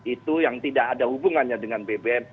itu yang tidak ada hubungannya dengan bbm